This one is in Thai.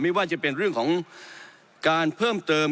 ไม่ว่าจะเป็นเรื่องของการเพิ่มเติม